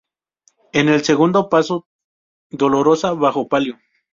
En el segundo paso dolorosa bajo palio.